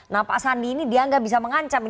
nah pak sandi ini dia tidak bisa mengancam